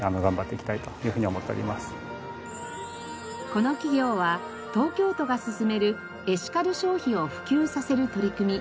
この企業は東京都が進めるエシカル消費を普及させる取り組み